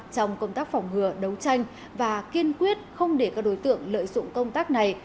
trong công tác phòng ngừa đấu tranh và kiên quyết không để các đối tượng lợi dụng công tác này